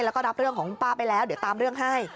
แล้วก็รับเรื่องของคุณป้าไปแล้วเดี๋ยวตามเรื่องให้